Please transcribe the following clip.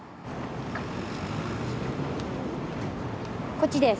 こっちです。